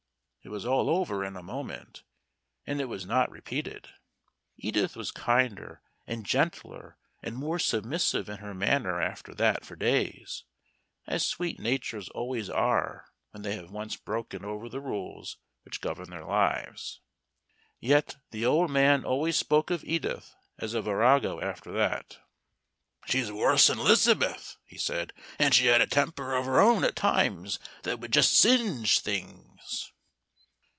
It was all over in a moment, and it was not repeated. Indeed, Edith was kinder and gentler and more submissive in her manner after that for days, as sweet natures always are when they have once broken over the rules which govern their lives. Yet the old man always spoke of Edith as a virago after that. "She's worse'n 'Liz'beth," he said, "and she had a temper of her own at times that would just singe things."